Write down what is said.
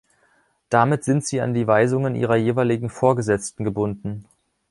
Damit sind sie an die Weisungen ihrer jeweiligen Vorgesetzten gebunden.